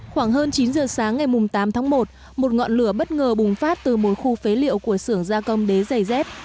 khoảng hơn chín giờ sáng ngày tám tháng một một ngọn lửa bất ngờ bùng phát từ một khu phế liệu của sưởng gia công đế giày dép